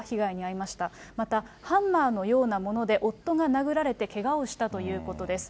また、ハンマーのようなもので夫が殴られてけがをしたということです。